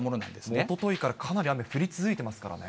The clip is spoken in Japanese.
おとといから、かなり雨、降り続いてますからね。